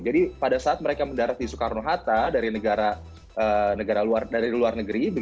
jadi pada saat mereka mendarat di soekarno hatta dari negara luar